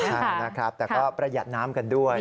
ใช่นะครับแต่ก็ประหยัดน้ำกันด้วย